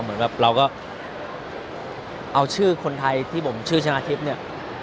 เหมือนแบบเราก็เอาชื่อคนไทยที่ผมชื่อชนะทิพย์เนี่ย